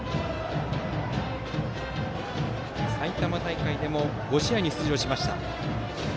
埼玉大会でも５試合に出場しました。